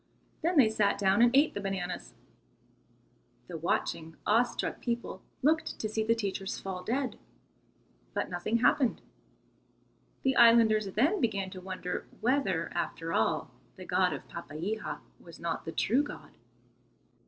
Then they sat down and ate the bananas. The watching, awe struck people looked to see the teachers fall dead, but nothing happened. The islanders then began to wonder whether, after all, the God of Papeiha was not the true God.